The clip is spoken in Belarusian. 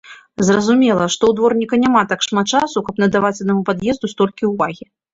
Зразумела, што ў дворніка няма так шмат часу, каб надаваць аднаму пад'езду столькі ўвагі.